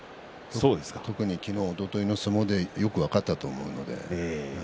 特に昨日おとといの相撲でよく分かったと思うので。